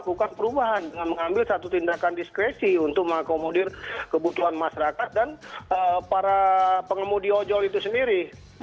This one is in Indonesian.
melakukan perubahan dengan mengambil satu tindakan diskresi untuk mengakomodir kebutuhan masyarakat dan para pengemudi ojol itu sendiri